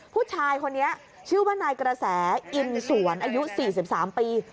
ผู้ชายคนนี้ชื่อว่านายกระแสอินสวรอายุสี่สิบสามปี